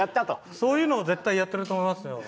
そういうのを絶対やってると思いますよ。